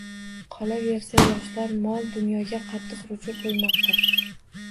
Qolaversa, yoshlar mol-dunyoga qattiq ruju qo‘ymoqda.